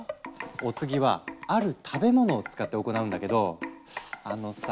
お次は「ある食べ物」を使って行うんだけどあのさ